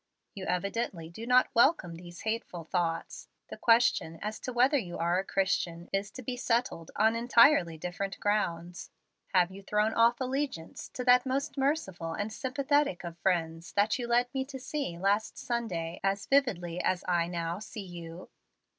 You evidently do not welcome these 'hateful thoughts.' The question as to whether you are a Christian is to be settled on entirely different grounds. Have you thrown off allegiance to that most merciful and sympathetic of friends that you led me to see last Sunday as vividly as I now see you?"